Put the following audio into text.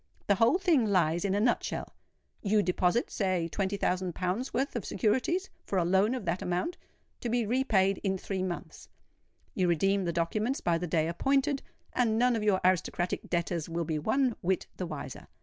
The whole thing lies in a nut shell: you deposit, say twenty thousand pounds' worth of securities, for a loan of that amount, to be repaid in three months; you redeem the documents by the day appointed, and none of your aristocratic debtors will be one whit the wiser.